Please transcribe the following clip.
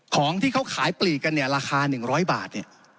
ของที่เขาขายปลีกกันเนี่ยราคา๑๐๐บาทเนี่ย